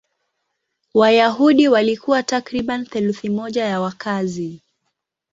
Wayahudi walikuwa takriban theluthi moja ya wakazi.